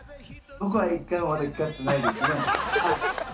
僕は一回もまだ聴かせてないですね。